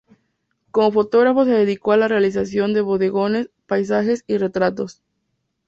Como fotógrafo se dedicó a la realización de bodegones, paisajes y retratos.